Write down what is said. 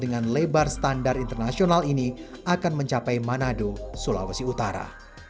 dan akhirnya ribuan kilometer rel dengan lebar standar internasional ini akan mencapai manado sulawesi utara